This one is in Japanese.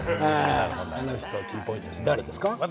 あの人がキーポイントですね。